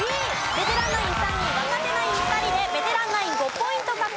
ベテランナイン３人若手ナイン２人でベテランナイン５ポイント獲得です。